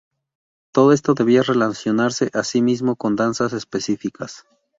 Todo esto debía relacionarse, asimismo, con danzas específicas.